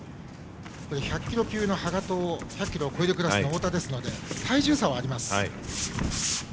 １００キロ級の羽賀と１００ｋｇを超えるクラスの太田ですので体重差はあります。